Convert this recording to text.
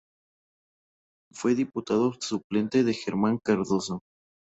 Fue diputado suplente de Germán Cardoso.